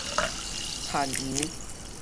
田洋